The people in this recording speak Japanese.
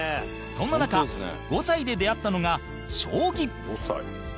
そんな中５歳で出会ったのが、将棋富澤：５歳。